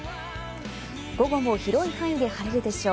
午後も広い範囲で晴れるでしょう。